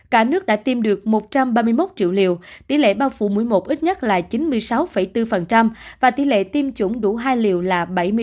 cả nước đã tiêm được một trăm ba mươi một triệu liều tỷ lệ bao phủ một mươi một ít nhất là chín mươi sáu bốn và tỷ lệ tiêm chủng đủ hai liều là bảy mươi năm